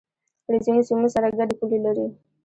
له ځینو سیمو سره گډې پولې لري